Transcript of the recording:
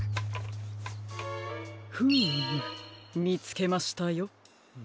フームみつけましたよ。